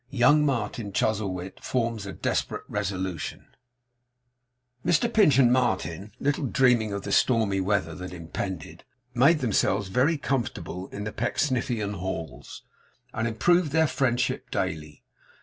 YOUNG MARTIN CHUZZLEWIT FORMS A DESPERATE RESOLUTION Mr Pinch and Martin, little dreaming of the stormy weather that impended, made themselves very comfortable in the Pecksniffian halls, and improved their friendship daily.